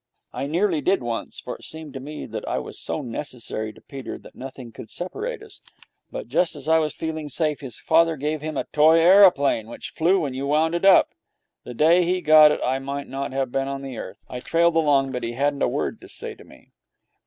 I nearly did once, for it seemed to me that I was so necessary to Peter that nothing could separate us; but just as I was feeling safe his father gave him a toy aeroplane, which flew when you wound it up. The day he got it, I might not have been on the earth. I trailed along, but he hadn't a word to say to me.